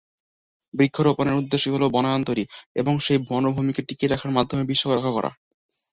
বৃক্ষরোপনের উদ্দেশ্যই হলো বনায়ন তৈরি এবং সেই বনভূমিকে টিকিয়ে রাখার মাধ্যমে বিশ্বকে রক্ষা করা।